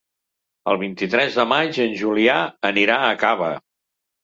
El vint-i-tres de maig en Julià anirà a Cava.